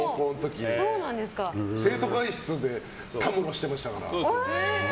生徒会室でたむろしてましたから。